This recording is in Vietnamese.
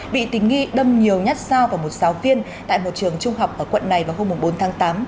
bị tính nghi đâm nhiều nhát sao vào một giáo viên tại một trường trung học ở quận này vào hôm bốn tháng tám